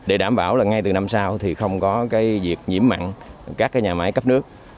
để đảm bảo là ngay từ năm sau thì không có cái việc nhiễm mặn các cái nhà máy cấp nước